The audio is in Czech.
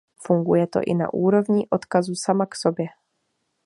Funguje to i na úrovni odkazu sama k sobě.